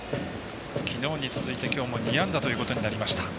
きのうに続いてきょうも２安打となりました。